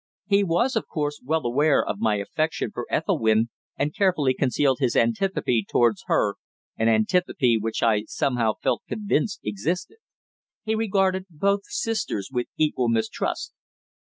He was, of course, well aware of my affection for Ethelwynn, and carefully concealed his antipathy towards her, an antipathy which I somehow felt convinced existed. He regarded both sisters with equal mistrust.